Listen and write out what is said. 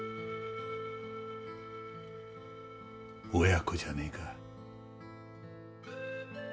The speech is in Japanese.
親子じゃねえか。